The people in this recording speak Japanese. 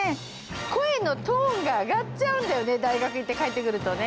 声のトーンが上がっちゃうんだよね、大学行って帰ってくるとね。